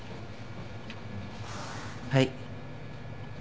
はい。